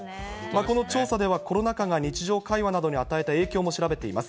この調査では、コロナ禍が日常会話などに与えた影響も調べています。